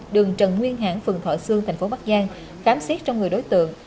đường trần nguyên hãng phường thọ sương thành phố bắc giang khám xét trong người đối tượng